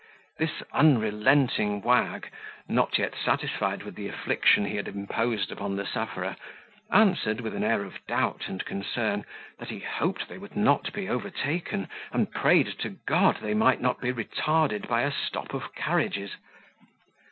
This unrelenting wag, not yet satisfied with the affliction he imposed upon the sufferer, answered, with an air of doubt and concern, that he hoped they would not be overtaken, and prayed to God they might not be retarded by a stop of carriages.